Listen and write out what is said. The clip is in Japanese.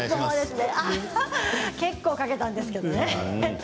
結構かけたんですけれどね。